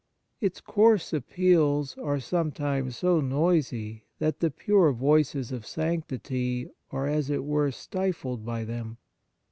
Its coarse appeals are sometimes so noisy that the pure voices of sanctity are, as it were, stifled by them.